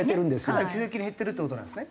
かなり急激に減ってるって事なんですね。